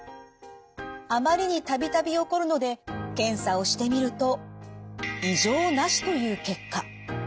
あまりに度々起こるので検査をしてみると異常なしという結果。